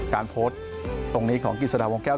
การโพสต์ตรงนี้ของกิจสดาวงแก้ว